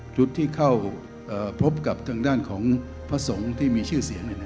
จุดที่เข้าพบกับทางด้านของพระสงฆ์ที่มีชื่อเสียง